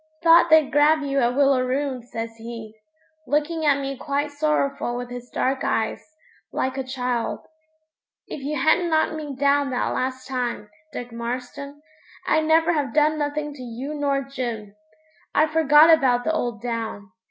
'Thought they'd grab you at Willaroon,' says he, looking at me quite sorrowful with his dark eyes, like a child. 'If you hadn't knocked me down that last time, Dick Marston, I'd never have done nothing to you nor Jim. I forgot about the old down.